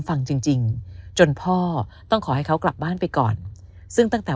ฟังจริงจริงจนพ่อต้องขอให้เขากลับบ้านไปก่อนซึ่งตั้งแต่